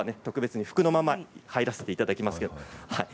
特別にこのまま入らせていただきます。